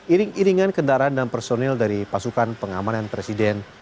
iring iringan kendaraan dan personil dari pasukan pengamanan presiden